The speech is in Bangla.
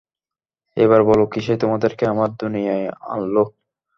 এবার বলো, কীসে তোমাদেরকে আমার দুনিয়ায় আনলো?